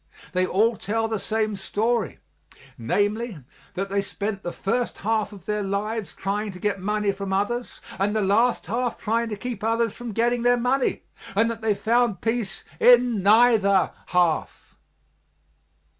They all tell the same story, viz., that they spent the first half of their lives trying to get money from others and the last half trying to keep others from getting their money, and that they found peace in neither half.